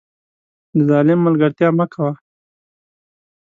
د ظالم ملګرتیا مه کوه